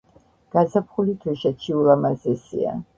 გაზაფხული თუშეთში ულამაზესია.